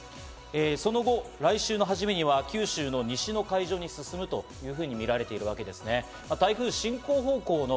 その後、来週のはじめには九州の西の海上に進むというふうに見られているわけですね。